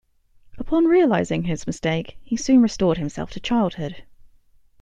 Upon realizing his mistake, he soon restored himself to childhood.